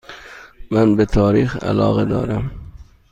من به تاریخ علاقه دارم.